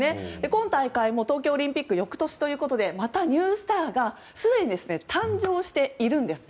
今大会も、東京オリンピックの翌年ということでまたニュースターがすでに誕生しているんです。